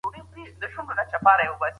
ابن خلدون د نړۍ مشهور ټولنپوه دی.